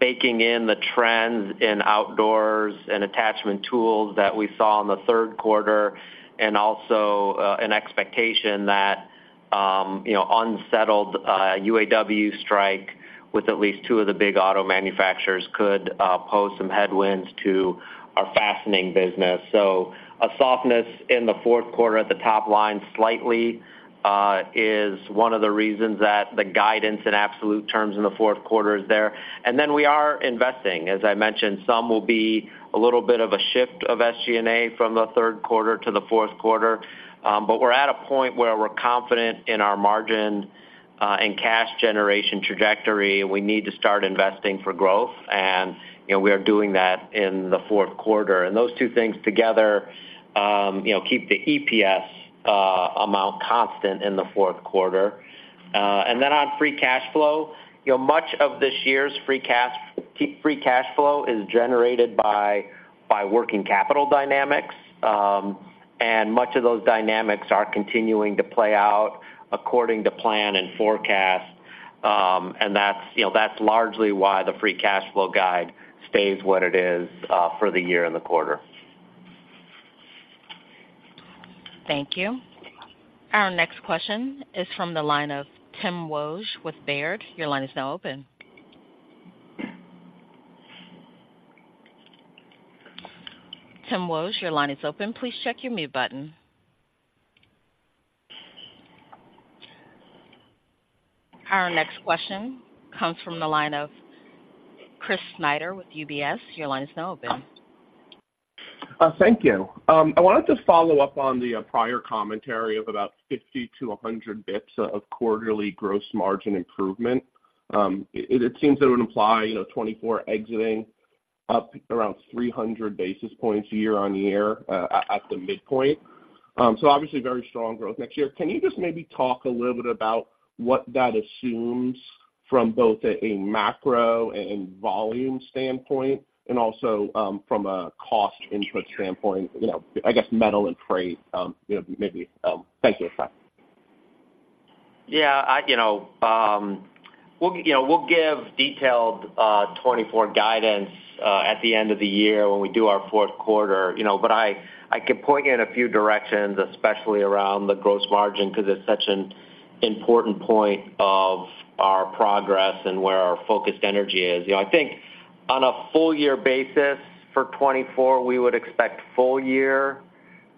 baking in the trends in outdoors and attachment tools that we saw in the Q3, and also, an expectation that, you know, unsettled, UAW strike with at least two of the big auto manufacturers could, pose some headwinds to our fastening business. So a softness in the Q4 at the top line slightly, is one of the reasons that the guidance in absolute terms in the Q4 is there. And then we are investing. As I mentioned, some will be a little bit of a shift of SG&A from the Q3 to the Q4. But we're at a point where we're confident in our margin, and cash generation trajectory, and we need to start investing for growth, and, you know, we are doing that in the Q4. Those two things together, you know, keep the EPS amount constant in the Q4. Then on Free Cash Flow, you know, much of this year's Free Cash Flow is generated by working capital dynamics, and much of those dynamics are continuing to play out according to plan and forecast. That's, you know, that's largely why the Free Cash Flow guide stays what it is, for the year and the quarter. Thank you. Our next question is from the line of Tim Wojs with Baird. Your line is now open. Tim Wojs, your line is open. Please check your mute button. Our next question comes from the line of Chris Snyder with UBS. Your line is now open. Thank you. I wanted to follow up on the prior commentary of about 50-100 basis points of quarterly gross margin improvement. It seems that would imply, you know, 2024 exiting up around 300 basis points year-on-year at the midpoint. So obviously very strong growth next year. Can you just maybe talk a little bit about what that assumes from both a macro and volume standpoint and also from a cost input standpoint, you know, I guess metal and freight, you know, maybe? Thank you. Yeah, I, you know, we'll, you know, we'll give detailed 2024 guidance at the end of the year when we do our Q4. You know, but, I can point you in a few directions, especially around the gross margin, because it's such an important point of our progress and where our focused energy is. You know, I think on a full-year basis for 2024, we would expect full-year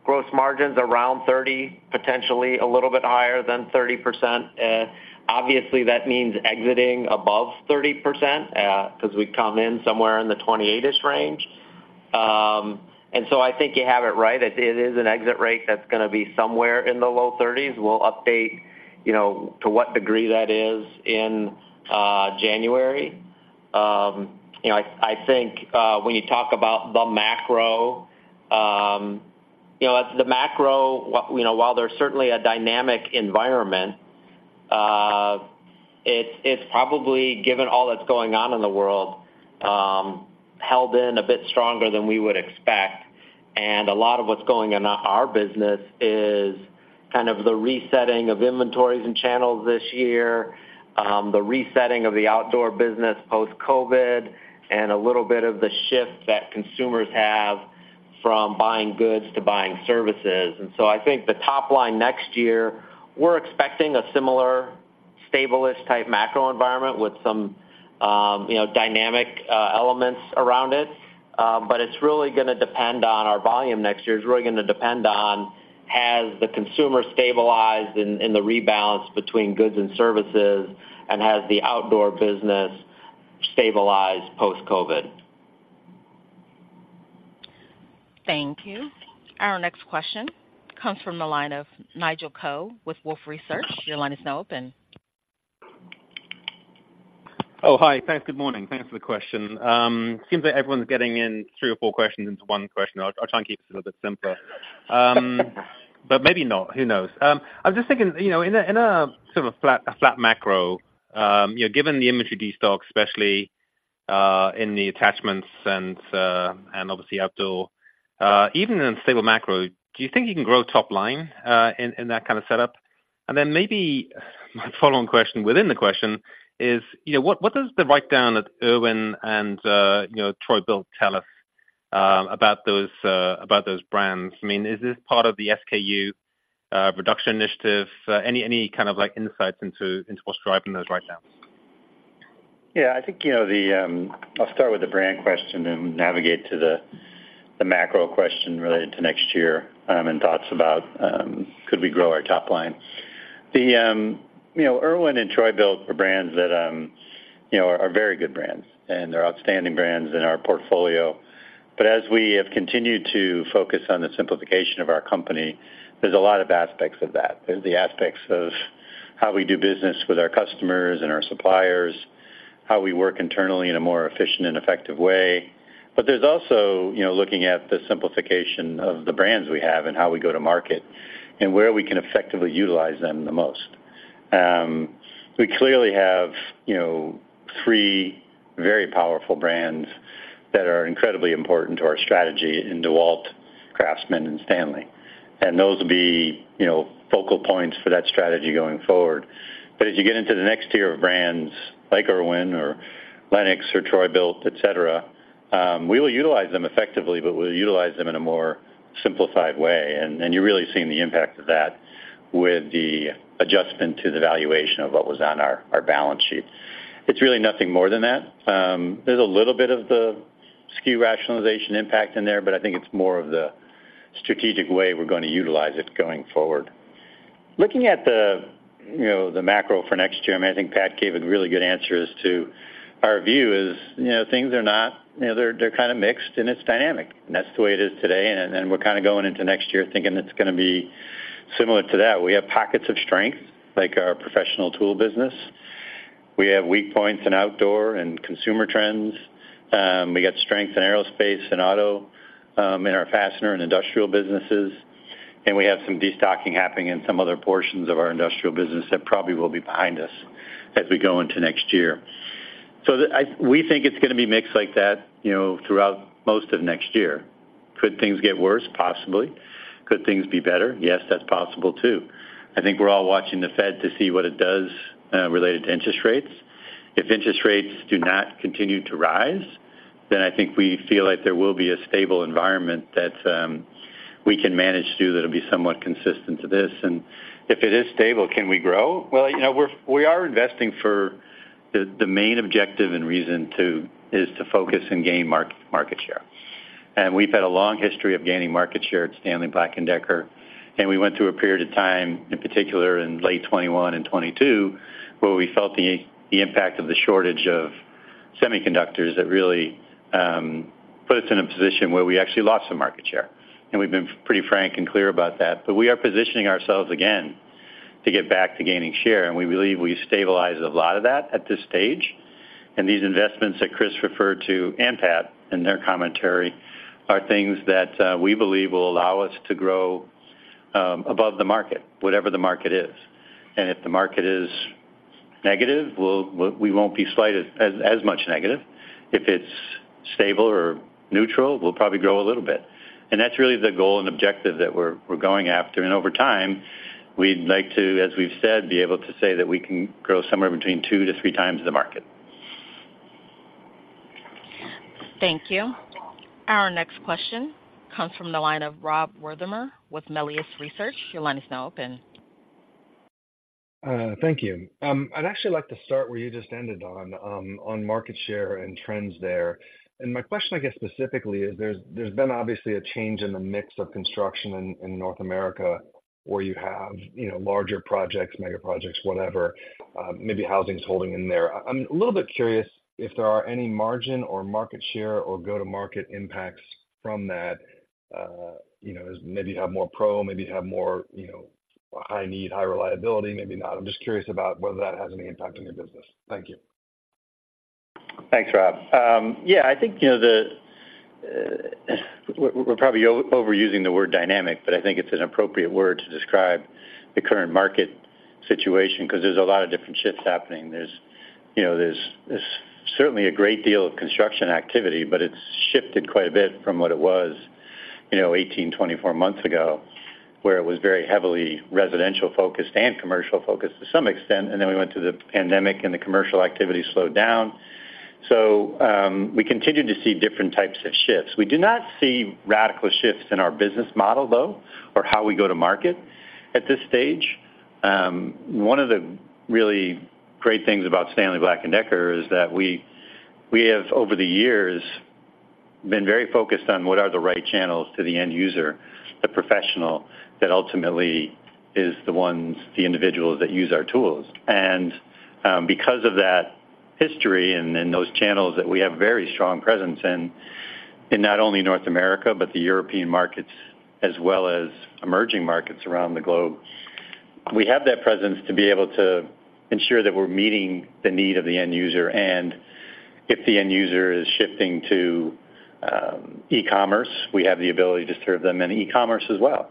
gross margins around 30, potentially a little bit higher than 30%. Obviously, that means exiting above 30%, because we've come in somewhere in the 28ish range. I think you have it right. It is an exit rate that's gonna be somewhere in the low 30s. We'll update, you know, to what degree that is in January. You know, I think when you talk about the macro, you know, while there's certainly a dynamic environment, it's probably, given all that's going on in the world, held in a bit stronger than we would expect. A lot of what's going on in our business is kind of the resetting of inventories and channels this year, the resetting of the Outdoor business post-COVID, and a little bit of the shift that consumers have from buying goods to buying services. I think the top line next year, we're expecting a similar stableish type macro environment with some, you know, dynamic elements around it. But it's really gonna depend on our volume next year. It's really gonna depend on, has the consumer stabilized in the rebalance between goods and services, and has the Outdoor business stabilized post-COVID? Thank you. Our next question comes from the line of Nigel Coe with Wolfe Research. Your line is now open. Oh, hi. Thanks. Good morning. Thanks for the question. Seems like everyone's getting in three or four questions into one question. I'll try and keep this a little bit simpler. But maybe not, who knows? I was just thinking, you know, in a sort of flat macro, you know, given the inventory destock, especially in the attachments and obviously Outdoor, even in a stable macro, do you think you can grow top line in that kind of setup? Then maybe my follow-on question within the question is, you know, what does the write-down at IRWIN and, you know, TROY-BILT tell us about those brands? I mean, is this part of the SKU reduction initiative? Any kind of, like, insights into what's driving those write-downs? Yeah, I think you know, I'll start with the brand question, then navigate to the macro question related to next year, and thoughts about could we grow our top line? The, you know, IRWIN and TROY-BILT are brands that, you know, are very good brands, and they're outstanding brands in our portfolio. But as we have continued to focus on the simplification of our company, there's a lot of aspects of that. There's the aspects of how we do business with our customers and our suppliers, how we work internally in a more efficient and effective way. But there's also, you know, looking at the simplification of the brands we have and how we go to market, and where we can effectively utilize them the most. We clearly have, you know, three very powerful brands that are incredibly important to our strategy in DEWALT, CRAFTSMAN, and STANLEY. Those will be, you know, focal points for that strategy going forward. But as you get into the next tier of brands like IRWIN or LENOX or TROY-BILT, et cetera, we will utilize them effectively, but we'll utilize them in a more simplified way. You're really seeing the impact of that with the adjustment to the valuation of what was on our balance sheet. It's really nothing more than that. There's a little bit of the SKU rationalization impact in there, but I think it's more of the strategic way we're going to utilize it going forward. Looking at the, you know, the macro for next year, I mean, I think Pat gave a really good answer as to our view is, you know, things are not, you know, they're kind of mixed, and it's dynamic. That's the way it is today, and we're kind of going into next year thinking it's gonna be similar to that. We have pockets of strength, like our professional tool business. We have weak points in outdoor and consumer trends. We got strength in aerospace and auto, in our fastener and Industrial businesses, and we have some destocking happening in some other portions of our Industrial business that probably will be behind us as we go into next year. We think it's gonna be mixed like that, you know, throughout most of next year. Could things get worse? Possibly. Could things be better? Yes, that's possible, too. I think we're all watching the Fed to see what it does related to interest rates. If interest rates do not continue to rise, then I think we feel like there will be a stable environment that we can manage through, that'll be somewhat consistent to this. And if it is stable, can we grow? Well, you know, we are investing for the main objective and reason to is to focus and gain market share. We've had a long history of gaining market share at Stanley Black & Decker, and we went through a period of time, in particular in late 2021 and 2022, where we felt the impact of the shortage of semiconductors that really put us in a position where we actually lost some market share, and we've been pretty frank and clear about that. We are positioning ourselves again to get back to gaining share, and we believe we've stabilized a lot of that at this stage. These investments that Chris referred to, and Pat, in their commentary, are things that we believe will allow us to grow above the market, whatever the market is. If the market is negative, we won't be as much negative. If it's stable or neutral, we'll probably grow a little bit. That's really the goal and objective that we're going after. Over time, we'd like to, as we've said, be able to say that we can grow somewhere between 2-3 times the market. Thank you. Our next question comes from the line of Rob Wertheimer with Melius Research. Your line is now open. Thank you. I'd actually like to start where you just ended on market share and trends there. My question, I guess, specifically is, there's been obviously a change in the mix of construction in North America, where you have, you know, larger projects, mega projects, whatever, maybe housing's holding in there. I'm a little bit curious if there are any margin or market share or go-to-market impacts from that. You know, maybe you have more pro, maybe you have more, you know, high need, high reliability, maybe not. I'm just curious about whether that has any impact on your business. Thank you. Thanks, Rob. Yeah, I think, you know, the, we're probably overusing the word dynamic, but I think it's an appropriate word to describe the current market situation, because there's a lot of different shifts happening. There's, you know, there's certainly a great deal of construction activity, but it's shifted quite a bit from what it was, you know, 18-24 months ago, where it was very heavily residential focused and commercial focused to some extent, then we went through the pandemic, and the commercial activity slowed down. So, we continue to see different types of shifts. We do not see radical shifts in our business model, though, or how we go to market at this stage. One of the really great things about Stanley Black & Decker is that we have, over the years, been very focused on what are the right channels to the end user, the professional, that ultimately is the ones, the individuals that use our tools. And, because of that history and, those channels that we have very strong presence in not only North America, but the European markets, as well as emerging markets around the globe, we have that presence to be able to ensure that we're meeting the need of the end user. If the end user is shifting to, e-commerce, we have the ability to serve them in e-commerce as well.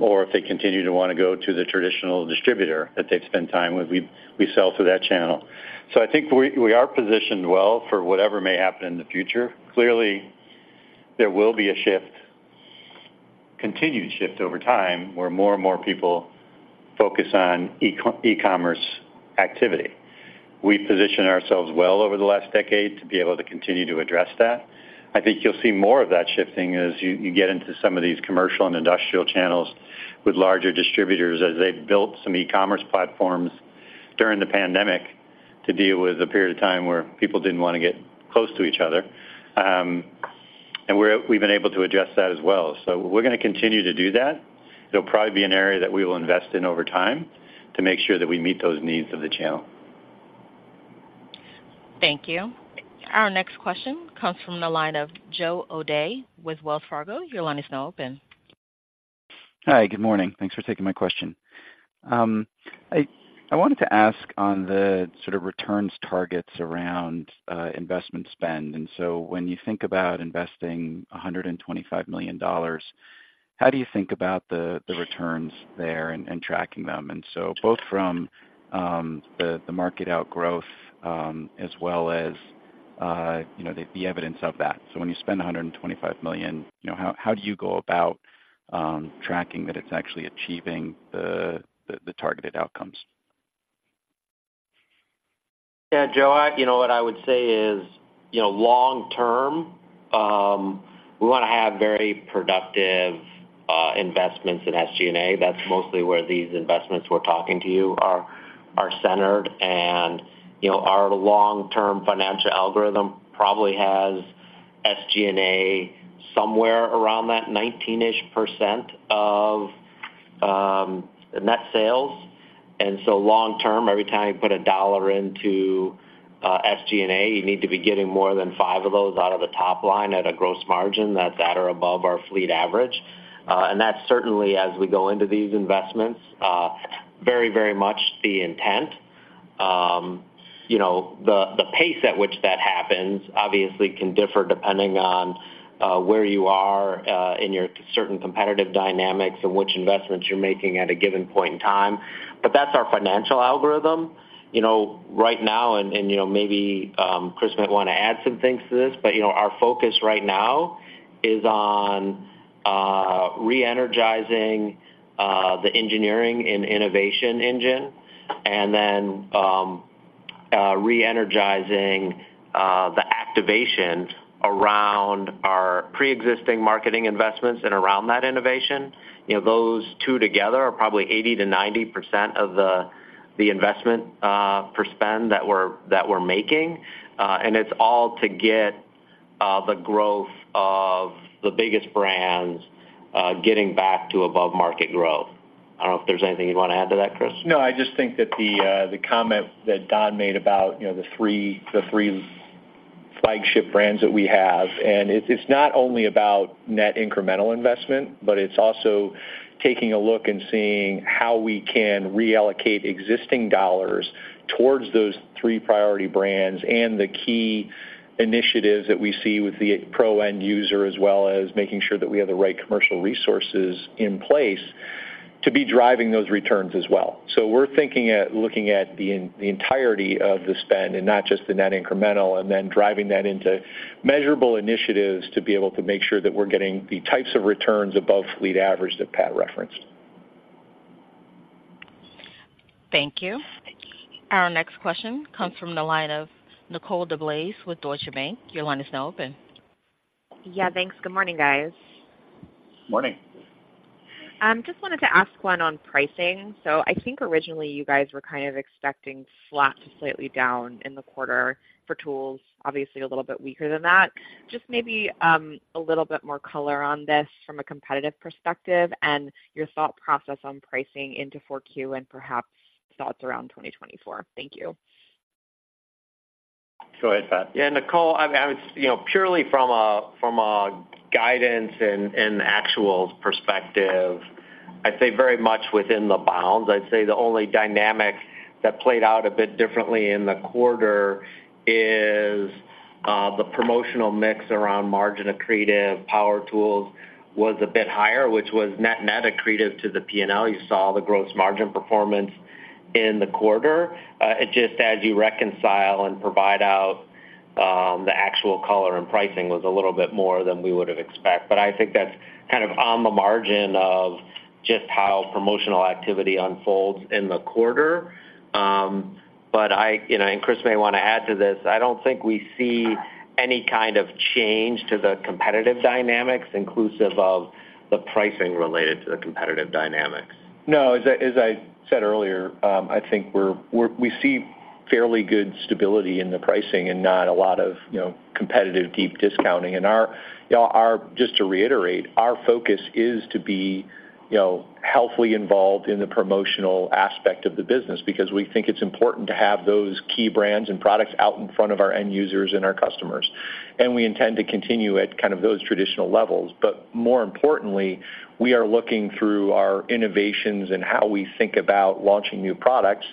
Or if they continue to want to go to the traditional distributor that they've spent time with, we sell through that channel. So I think we are positioned well for whatever may happen in the future. Clearly, there will be a shift, continued shift over time, where more and more people focus on e-commerce activity. We've positioned ourselves well over the last decade to be able to continue to address that. I think you'll see more of that shifting as you get into some of these commercial and Industrial channels with larger distributors, as they've built some e-commerce platforms during the pandemic to deal with a period of time where people didn't want to get close to each other. And we've been able to address that as well. So we're gonna continue to do that. It'll probably be an area that we will invest in over time to make sure that we meet those needs of the channel. Thank you. Our next question comes from the line of Joe O'Dea with Wells Fargo. Your line is now open. Hi, good morning. Thanks for taking my question. I wanted to ask on the sort of returns targets around investment spend. When you think about investing $125 million, how do you think about the returns there and tracking them? Both from the market outgrowth, as well as you know, the evidence of that. So when you spend $125 million, you know, how do you go about tracking that it's actually achieving the targeted outcomes? Yeah, Joe, you know, what I would say is, you know, long term, we wanna have very productive investments in SG&A. That's mostly where these investments we're talking to you are centered. You know, our long-term financial algorithm probably has SG&A somewhere around that 19%-ish of net sales. And long term, every time you put a dollar into SG&A, you need to be getting more than 5 of those out of the top line at a gross margin that's at or above our fleet average. That's certainly as we go into these investments, very, very much the intent. You know, the pace at which that happens obviously can differ depending on where you are in your certain competitive dynamics and which investments you're making at a given point in time. But that's our financial algorithm. You know, right now, you know, maybe Chris might want to add some things to this, but, you know, our focus right now is on reenergizing the engineering and innovation engine, and then reenergizing the activation around our pre-existing marketing investments and around that innovation. You know, those two together are probably 80%-90% of the investment for spend that we're making, and it's all to get the growth of the biggest brands getting back to above market growth. I don't know if there's anything you'd want to add to that, Chris? No, I just think that the, the comment that Don made about, you know, the three, the three flagship brands that we have, and it's, it's not only about net incremental investment, but it's also taking a look and seeing how we can reallocate existing dollars towards those three priority brands and the key initiatives that we see with the pro end user, as well as making sure that we have the right commercial resources in place to be driving those returns as well. So we're thinking at looking at the entirety of the spend and not just the net incremental, and then driving that into measurable initiatives to be able to make sure that we're getting the types of returns above fleet average that Pat referenced. Thank you. Our next question comes from the line of Nicole DeBlase with Deutsche Bank. Your line is now open. Yeah, thanks. Good morning, guys. Morning. Just wanted to ask one on pricing. So I think originally you guys were kind of expecting flat to slightly down in the quarter for tools, obviously a little bit weaker than that. Just maybe, a little bit more color on this from a competitive perspective and your thought process on pricing into Q4 and perhaps thoughts around 2024. Thank you. Go ahead, Pat. Yeah, Nicole, you know, purely from a guidance and actual perspective, I'd say very much within the bounds. I'd say the only dynamic that played out a bit differently in the quarter is the promotional mix around margin accretive power tools was a bit higher, which was net accretive to the P&L. You saw the gross margin performance in the quarter. It just as you reconcile and provide out the actual color and pricing was a little bit more than we would have expect. But I think that's kind of on the margin of just how promotional activity unfolds in the quarter. But I, you know, and Chris may want to add to this, I don't think we see any kind of change to the competitive dynamics, inclusive of the pricing related to the competitive dynamics. No, as I said earlier, I think we're, we see fairly good stability in the pricing and not a lot of, you know, competitive, deep discounting. And just to reiterate, our focus is to be, you know, healthily involved in the promotional aspect of the business, because we think it's important to have those key brands and products out in front of our end users and our customers. We intend to continue at kind of those traditional levels. But more importantly, we are looking through our innovations and how we think about launching new products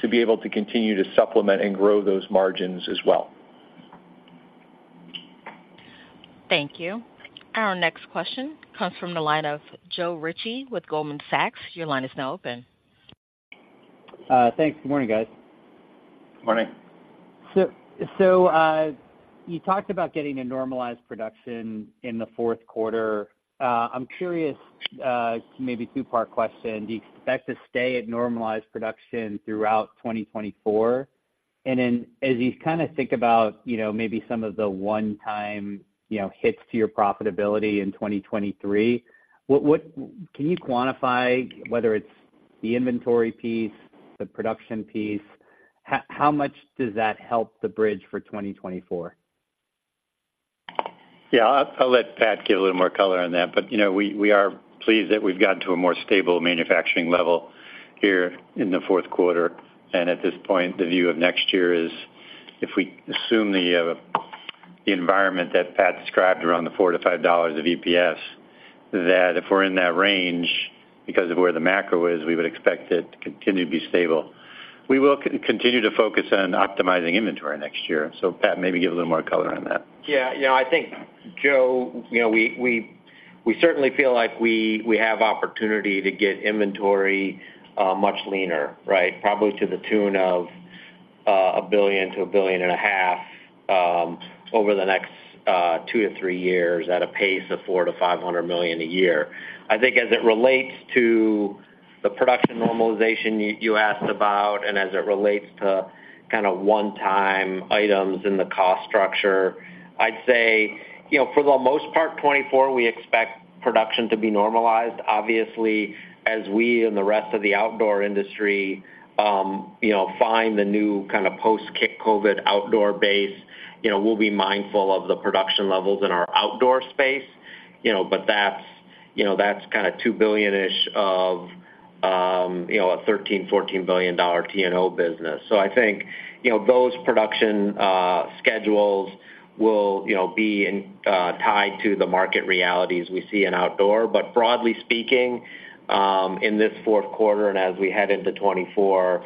to be able to continue to supplement and grow those margins as well. Thank you. Our next question comes from the line of Joe Ritchie with Goldman Sachs. Your line is now open. Thanks. Good morning, guys. Morning. So, you talked about getting a normalized production in the Q4. I'm curious, maybe two-part question. Do you expect to stay at normalized production throughout 2024? And then as you kind of think about, you know, maybe some of the one-time, you know, hits to your profitability in 2023, what can you quantify whether it's the inventory piece, the production piece? How much does that help the bridge for 2024? Yeah, I'll, I'll let Pat give a little more color on that, but, you know, we, we are pleased that we've gotten to a more stable manufacturing level here in the Q4. At this point, the view of next year is if we assume the environment that Pat described around the $4-$5 of EPS, that if we're in that range, because of where the macro is, we would expect it to continue to be stable. We will continue to focus on optimizing inventory next year. So Pat, maybe give a little more color on that. Yeah, you know, I think, Joe, you know, we, we, we certainly feel like we, we have opportunity to get inventory much leaner, right? Probably to the tune of $1 billion-$1.5 billion over the next 2-3 years at a pace of $400 million-$500 million a year. I think as it relates to the production normalization, you asked about, and as it relates to kind of one-time items in the cost structure, I'd say, you know, for the most part, 2024, we expect production to be normalized. Obviously, as we and the rest of the outdoor industry, you know, find the new kind of post-COVID outdoor base, you know, we'll be mindful of the production levels in our outdoor space. You know, but that's, you know, that's kind of $2 billion-ish of, you know, a $13 billion-$14 billion T&O business. So I think, you know, those production schedules will, you know, be in, tied to the market realities we see in Outdoor. But broadly speaking, in this Q4, and as we head into 2024,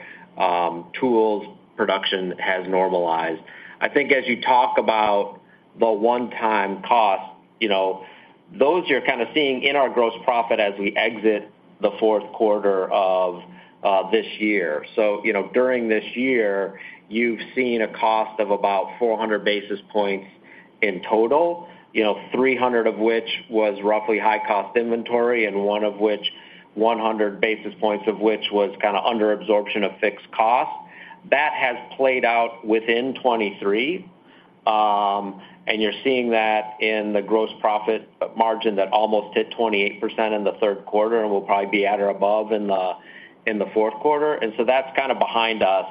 tools production has normalized. I think as you talk about the one-time cost, you know, those you're kind of seeing in our gross profit as we exit the Q4 of this year. So, you know, during this year, you've seen a cost of about 400 basis points in total, you know, 300 of which was roughly high cost inventory, and 100 basis points of which was kind of under absorption of fixed costs. That has played out within 2023, and you're seeing that in the gross profit margin that almost hit 28% in the Q3 and will probably be at or above in the Q4. So that's kind of behind us,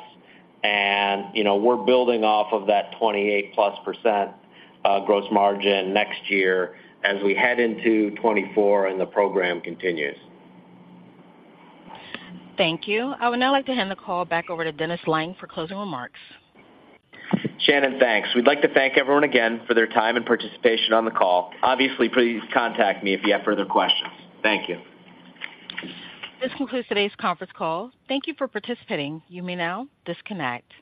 and, you know, we're building off of that +28% gross margin next year as we head into 2024 and the program continues. Thank you. I would now like to hand the call back over to Dennis Lange for closing remarks. Shannon, thanks. We'd like to thank everyone again for their time and participation on the call. Obviously, please contact me if you have further questions. Thank you. This concludes today's conference call. Thank you for participating. You may now disconnect.